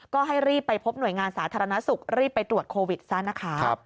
ก็ให้รีบไปพบหน่วยงานสาธารณสุขรีบไปตรวจโควิดซะนะคะ